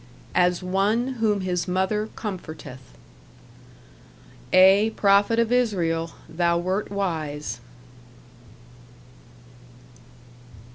"AS ONE WHOM HIS MOTHER COMFORTETH." Ay, Prophet of Israel, thou wert wise.